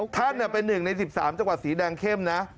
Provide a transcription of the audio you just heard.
ท่านเนี่ยเป็น๑ใน๑๓จังหวัดสีแดงเข้มนะ